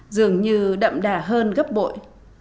dường như đậm đà hơn gấp bội